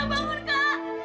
kak krishna bangun kak